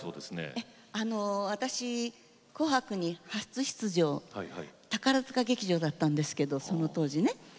ええあの私「紅白」に初出場宝塚劇場だったんですけどその当時ね。